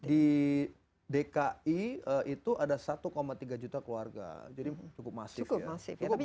di dki itu ada satu tiga juta keluarga jadi cukup masif